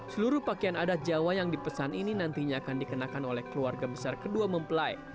seluruh pakaian adat jawa yang dipesan ini nantinya akan dikenakan oleh keluarga besar kedua mempelai